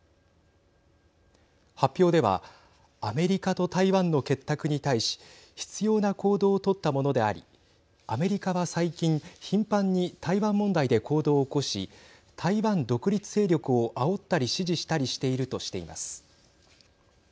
発表ではアメリカと台湾の結託に対し必要な行動を取ったものでありアメリカは最近頻繁に台湾問題で行動を起こし台湾独立勢力をあおったり支持したりしているとしています。